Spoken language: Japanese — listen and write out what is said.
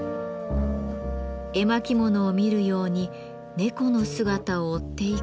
絵巻物を見るように猫の姿を追っていくと。